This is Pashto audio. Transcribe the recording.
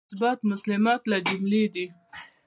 اثبات مسلمات له جملې دی.